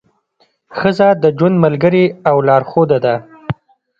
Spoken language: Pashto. ښځه د ژوند ملګرې او لارښوده ده.